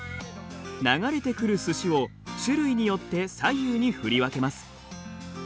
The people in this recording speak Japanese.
流れてくるすしを種類によって左右に振り分けます。